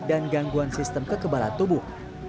dan gangguan sistem kekebalan tubuh